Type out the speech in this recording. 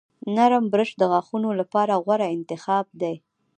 نرم برش د غاښونو لپاره غوره انتخاب دی.